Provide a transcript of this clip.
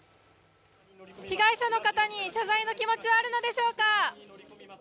被害者の方に謝罪の気持ちはあるのでしょうか？